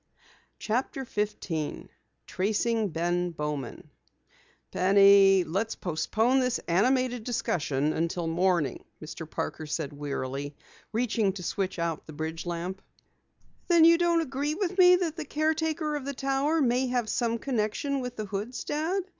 CHAPTER 15 TRACING BEN BOWMAN "Penny, let's postpone this animated discussion until morning," Mr. Parker said wearily, reaching to switch out the bridge lamp. "Then you don't agree with me that the caretaker of the Tower may have some connection with the Hoods, Dad?"